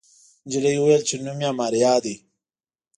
نجلۍ وويل چې نوم يې ماريا دی.